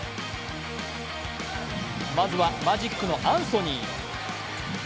まずはマジックのアンソニー。